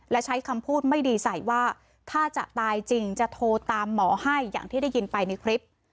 และใช้คำพูดไม่ดีใส่ว่าถ้าจะตายจริงจะโทรตามหมอให้อย่างที่ได้ยินไปในคลิป